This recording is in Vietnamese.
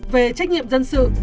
về trách nhiệm dân sự